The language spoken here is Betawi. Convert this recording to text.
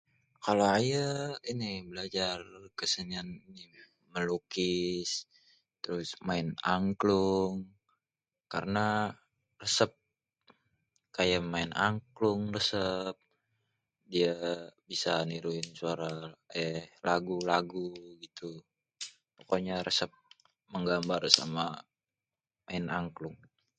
Kalo ayê ini belajar kesenian ngelukis, terus main angklung. Karna rêsêp, kayak main angklung, ya bisa niruin suara èèè lagu-lagu, gitu. Pokoknya rêsêp menggambar sama main angklung.